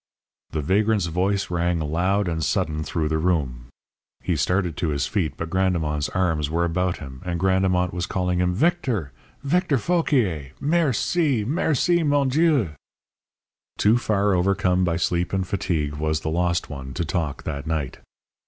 _" The vagrant's voice rang loud and sudden through the room. He started to his feet, but Grandemont's arms were about him, and Grandemont was calling him "Victor! Victor Fauquier! Merci, merci, mon Dieu!" Too far overcome by sleep and fatigue was the lost one to talk that night.